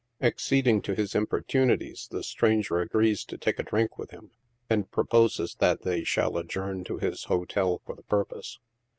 Acceding to his importunities, the stranger agrees to take a drink with him, and proposes that they shall adjourn to his hotel for the purpose.